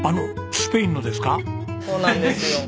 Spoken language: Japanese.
そうなんですよ。